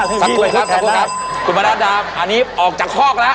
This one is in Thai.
สักครู่ครับสักครู่ครับคุณประนัดดาอันนี้ออกจากคอกแล้ว